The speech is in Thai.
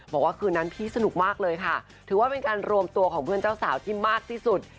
บอกว่าคืนนั้นพี่สนุกมากเลยค่ะถือว่าเป็นการรวมตัวของเพื่อนเจ้าสาวที่มากที่สุด